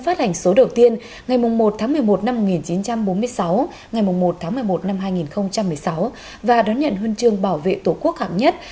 phát hành số đầu tiên ngày một một mươi một một nghìn chín trăm bốn mươi sáu ngày một một mươi một hai nghìn một mươi sáu và đón nhận huyên trương bảo vệ tổ quốc hẳn nhất